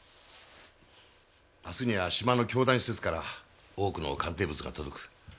明日には島の教団施設から多くの鑑定物が届く。